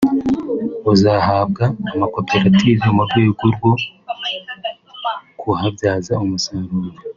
buzahabwa amakoperative mu rwego rwo kuhabyaza umusaruro